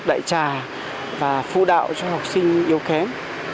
đại trà và phụ đạo cho học sinh yếu kém